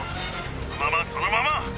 そのままそのまま。